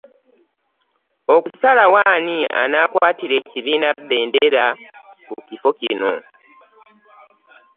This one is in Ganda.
Okusalawo ani anaakwatira ekibiina bbendera ku kifo kino.